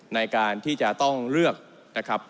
ในการที่จะต้องเลือกนะครับ